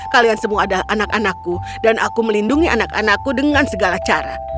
kalian semua adalah anak anakku dan aku melindungi anak anakku dengan segala cara